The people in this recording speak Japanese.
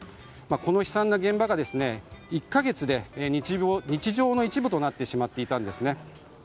この悲惨な現場が１か月で日常の一部となってしまっていたんです。